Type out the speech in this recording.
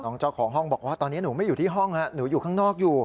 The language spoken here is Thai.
เจ้าของห้องบอกว่าตอนนี้หนูไม่อยู่ที่ห้องหนูอยู่ข้างนอกอยู่